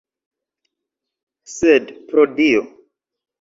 Sed, pro Dio!